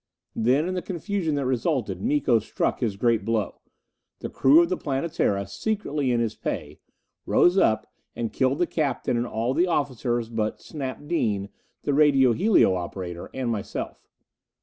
Then, in the confusion that resulted, Miko struck his great blow. The crew of the Planetara, secretly in his pay, rose up and killed the captain and all the officers but Snap Dean, the radio helio operator, and myself.